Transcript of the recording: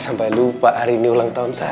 sampai lupa hari ini ulang tahun saya